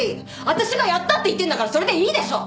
私がやったって言ってんだからそれでいいでしょ！